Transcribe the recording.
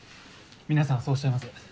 みなさんそうおっしゃいます。